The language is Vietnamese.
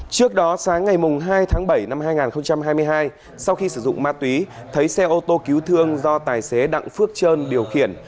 trước đó sáng ngày hai tháng bảy năm hai nghìn hai mươi hai sau khi sử dụng ma túy thấy xe ô tô cứu thương do tài xế đặng phước trơn điều khiển